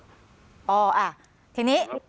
อ่าทีนี้